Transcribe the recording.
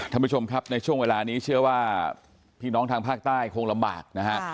ท่านผู้ชมครับในช่วงเวลานี้เชื่อว่าพี่น้องทางภาคใต้คงลำบากนะฮะ